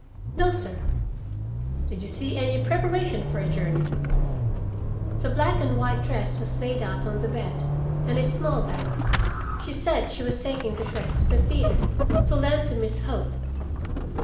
"No, sir." "Did you see any preparation for a journey?" "The black and white dress was laid out on the bed, and a small bag. She said she was taking the dress to the theater to lend to Miss Hope."